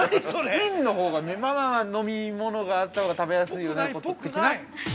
飲のほうが、飲み物があったほうが食べやすいよねこと的な。